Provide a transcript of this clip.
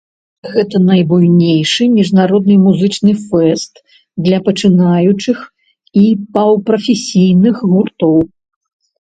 Гэта найбуйнейшы міжнародны музычны фэст для пачынаючых і паўпрафесійных гуртоў.